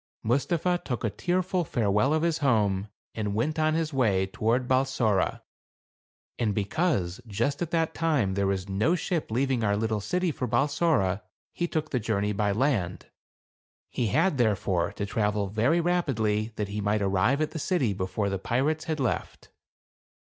Mustapha took a tearful farewell of his home, and went on his way toward Balsora. And be cause, just at that time, there was no ship leaving our little city for Balsora, he took the journey by land. He had, therefore, to travel very rapidly that he might arrive at the city before the pirates had left.